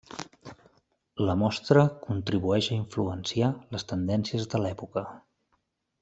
La Mostra contribueix a influenciar les tendències de l'època.